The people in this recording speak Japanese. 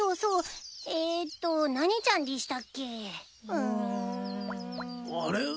うん。あれ？